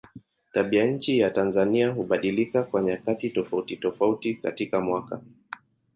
Tabianchi ya Tanzania hubadilika kwa nyakati tofautitofauti katika mwaka.